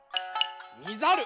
みざる。